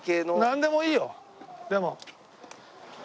なんでもいいよでも。